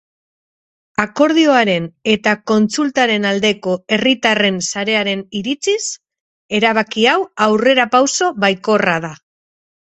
Akordioaren eta kontsultaren aldeko herritarren sarearen iritziz, erabaki hau aurrerapauso baikorra da.